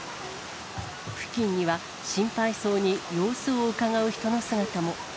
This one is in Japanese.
付近には、心配そうに様子をうかがう人の姿も。